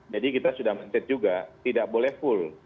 kita sudah mencet juga tidak boleh full